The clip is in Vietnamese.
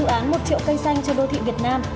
dự án một triệu cây xanh cho đô thị việt nam